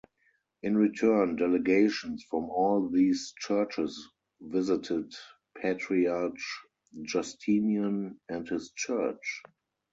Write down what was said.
In return, delegations from all these churches visited Patriarch Justinian and his church.